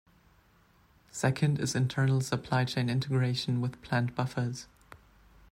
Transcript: Second is internal supply chain integration with planned buffers.